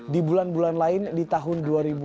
di bulan bulan lain di tahun dua ribu dua puluh